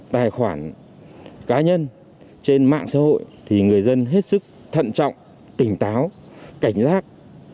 tài khoản cá nhân trên mạng xã hội thì người dân hết sức thận trọng tỉnh táo cảnh giác